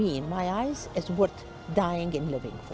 dan benar benar berdiri di sini